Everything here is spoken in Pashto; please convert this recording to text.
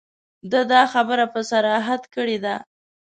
ده دا خبره په صراحت کړې ده.